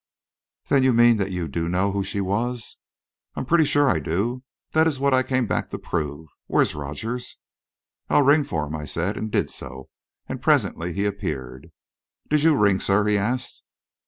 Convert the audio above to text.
"Then you mean that you do know who she was?" "I'm pretty sure I do that is what I came back to prove. Where's Rogers?" "I'll ring for him," I said, and did so, and presently he appeared. "Did you ring, sir?" he asked.